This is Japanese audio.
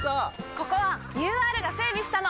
ここはＵＲが整備したの！